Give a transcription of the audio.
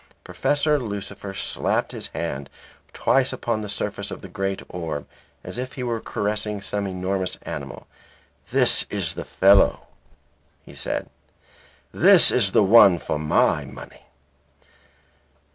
Professor Lucifer slapped his hand twice upon the surface of the great orb as if he were caressing some enormous animal. "This is the fellow," he said, "this is the one for my money."